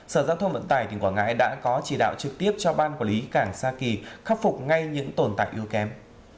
sở giao thông vận tải tỉnh quảng ngãi đã có chỉ đạo trực tiếp cho ban quản lý cảng sa kỳ khắc phục ngay những tồn tại yếu kém